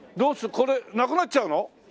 これなくなっちゃうの？